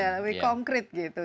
lebih konkret gitu